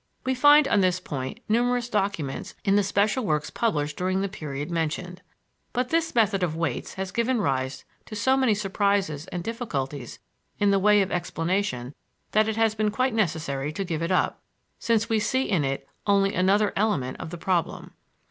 We find on this point numerous documents in the special works published during the period mentioned. But this method of weights has given rise to so many surprises and difficulties in the way of explanation that it has been quite necessary to give it up, since we see in it only another element of the problem.